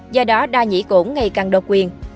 do đó đa nhĩ cổn ngày càng độc quyền